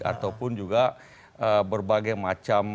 ataupun juga berbagai macam